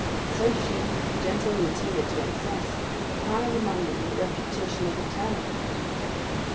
So she, gentle and timid to excess, acquired among them the reputation of a termagant.